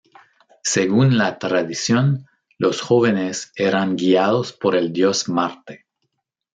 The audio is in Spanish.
Según la tradición, los jóvenes eran guiados por el dios Marte.